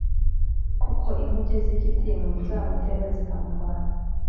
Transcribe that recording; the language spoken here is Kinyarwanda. kuko inkuge z i kitimu zizamutera zikamurwanya